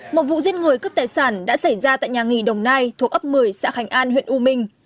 một vụ giết người cướp tài sản đã xảy ra tại nhà nghỉ đồng nai thuộc ấp một mươi xã khánh an huyện u minh